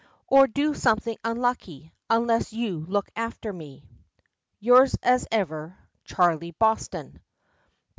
or do something unlucky, unless you look after me. "Yours, as ever, "CHARLEY BOSTON.